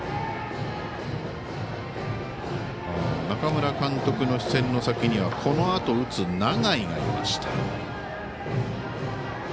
中村監督の視線の先にはこのあとを打つ永井がいました。